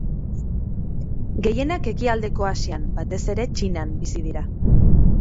Gehienak ekialdeko Asian, batez ere Txinan, bizi dira.